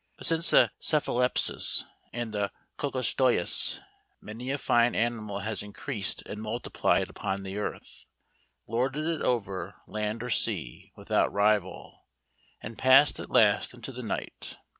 But since the Cephalaspis and the Coccostëus many a fine animal has increased and multiplied upon the earth, lorded it over land or sea without a rival, and passed at last into the night.